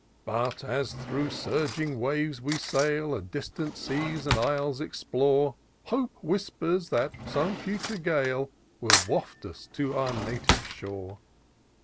But, as througli surging waves we sail, And distant seas and isles explore, Hope whispers that some future gale Will waft us to our native shore.